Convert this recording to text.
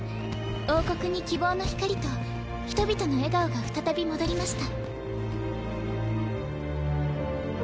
王国に希望の光と人々の笑顔が再び戻りました